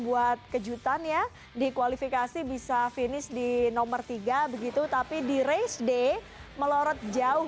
buat kejutan ya di kualifikasi bisa finish di nomor tiga begitu tapi di race day melorot jauh